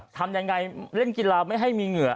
ทำยังไงเล่นกีฬาไม่ให้มีเหงื่อ